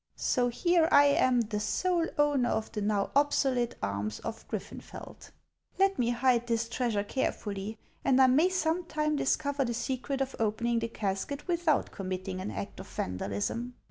So here I am the sole owner of the now obsolete arms of Griffenfeld ! Let me hide this treasure carefully, and I may some time discover the secret of opening the casket without com mitting an act of vandalism.